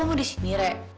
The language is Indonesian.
lu mau disini rek